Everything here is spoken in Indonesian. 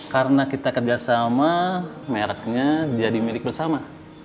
karena kita kerja sama merknya jadi milik bersama